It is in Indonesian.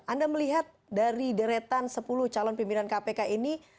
anda melihat dari deretan sepuluh calon pimpinan kpk ini